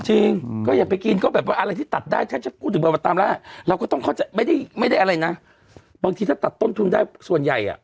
จริงก็อย่าไปกินก็แบบว่าอะไรที่ตัดได้ถ้าพูดถึงเบอร์มาตามล่าเราก็ต้องเข้าใจไม่ได้อะไรนะบางทีถ้าตัดต้นทุนได้ส่วนใหญ่อ่ะ